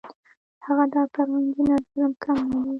د هغه ډاکټر او انجینر ظلم کم نه دی.